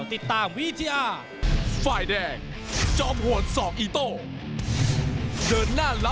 ติดตามวิทยา